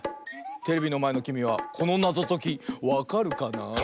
テレビのまえのきみはこのなぞときわかるかな？